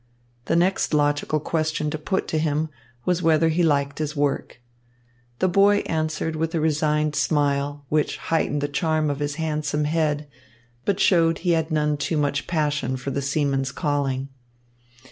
The next logical question to put to him was whether he liked his work. The boy answered with a resigned smile, which heightened the charm of his handsome head, but showed he had none too much passion for the seaman's calling.